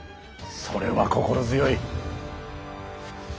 それは心強い。